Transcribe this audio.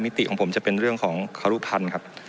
ติของผมจะเป็นเรื่องของครุพันธ์ครับ